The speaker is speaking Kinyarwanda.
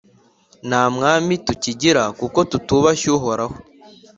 Nta mwami tukigira kuko tutubashye Uhoraho.